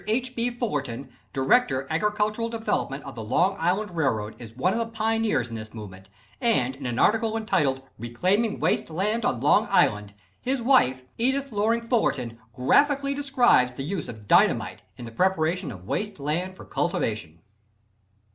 H. B. Fullerton, Director Agricultural Development of the Long Island Railroad, is one of the pioneers in this movement, and in an article entitled "Reclaiming Waste Land on Long Island," his wife, Edith Loring Fullerton, graphically describes the use of dynamite in the preparation of waste land for cultivation.